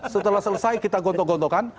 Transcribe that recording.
setelah selesai kita gontok gontokan